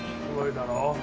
すごいだろう。